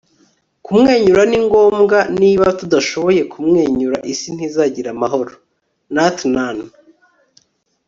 kumwenyura ni ngombwa. niba tudashoboye kumwenyura, isi ntizagira amahoro. - nhat hanh